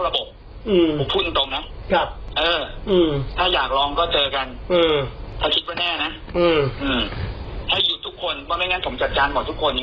เวลาผมดำเนินคดีอ่ะผมดำเนินคดีที่๓โยชน์จัดจารย์ภาคใต้